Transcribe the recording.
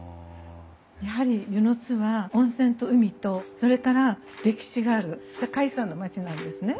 やはり温泉津は温泉と海とそれから歴史がある世界遺産の町なんですね。